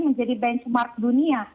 menjadi benchmark dunia